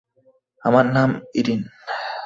আমার নাম ইরিন।